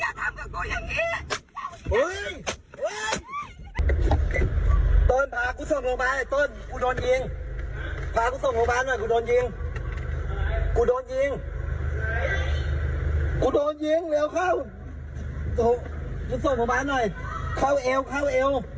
อยากพาไปกันกันก็ได้